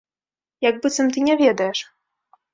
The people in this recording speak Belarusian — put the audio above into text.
Як быццам ты не ведаеш?